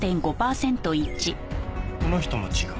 この人も違う。